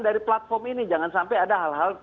dari platform ini jangan sampai ada hal hal